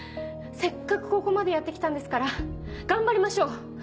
せっかくここまでやって来たんですから頑張りましょう！